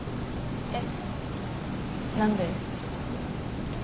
えっ何で？